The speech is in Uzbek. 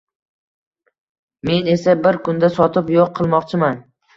Men esa… bir kunda sotib yo'q qilmoqchiman